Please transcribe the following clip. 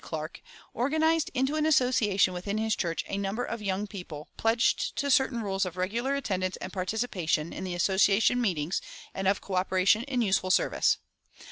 Clark, organized into an association within his church a number of young people pledged to certain rules of regular attendance and participation in the association meetings and of coöperation in useful service.